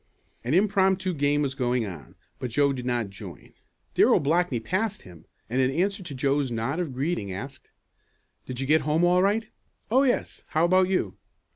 An impromptu game was going on, but Joe did not join. Darrell Blackney passed him, and in answer to Joe's nod of greeting asked: "Did you get home all right?" "Oh, yes. How about you?"